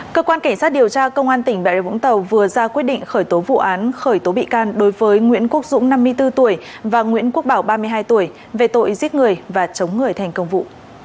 cơ quan cảnh sát điều tra công an tỉnh bà rịa vũng tàu vừa ra quyết định khởi tố vụ án khởi tố bị can đối với nguyễn quốc dũng năm mươi bốn tuổi và nguyễn quốc bảo ba mươi hai tuổi về tội giết người và chống người thành công vụ